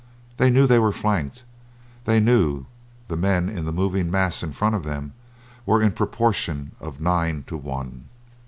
They knew they were flanked, they knew the men in the moving mass in front of them were in the proportion of nine to one.